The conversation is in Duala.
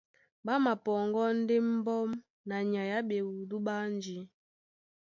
Ɓá mapɔŋgɔ́ ndé mbɔ́m na nyay á ɓewudú ɓé ánjí,